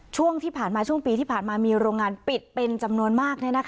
ช่วงที่ผ่านมาช่วงปีที่ผ่านมามีโรงงานปิดเป็นจำนวนมาก